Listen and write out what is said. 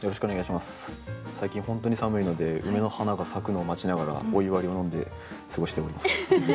最近本当に寒いので梅の花が咲くのを待ちながらお湯割りを飲んで過ごしております。